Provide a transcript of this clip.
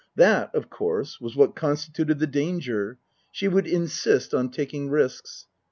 That, of course, was what constituted the danger. She would insist on taking risks.